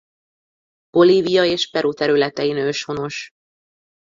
Bolívia és Peru területein őshonos.